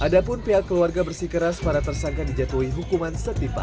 ada pun pihak keluarga bersih keras pada tersangka dijatuhi hukuman setiba